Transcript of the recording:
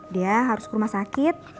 dia harus ke rumah sakit